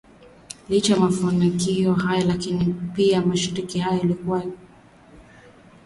licha ya mafanikio hayo lakini pia mashirika haya yamekuwa yakikumbwa na vikwazo vingi